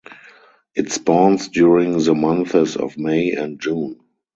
It spawns during the months of May and June.